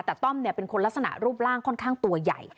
แต่ต้อมเป็นคนลักษณะรูปร่างค่อนข้างตัวใหญ่